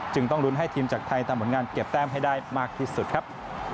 ต้องลุ้นให้ทีมจากไทยทำผลงานเก็บแต้มให้ได้มากที่สุดครับ